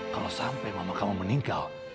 kalau sampai mama kamu meninggal